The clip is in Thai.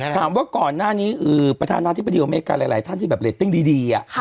ถามว่าก่อนหน้านี้ประธานาธิประเทศหรืออเมริกาหลายท่านที่ระดับเร็ดติ้งดี